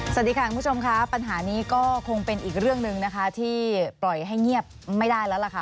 สวัสดีค่ะคุณผู้ชมค่ะปัญหานี้ก็คงเป็นอีกเรื่องหนึ่งนะคะที่ปล่อยให้เงียบไม่ได้แล้วล่ะค่ะ